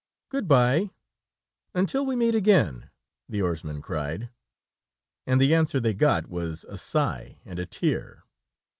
"Good bye, until we meet again!" the oarsman cried, and the answer they got was a sigh and a tear.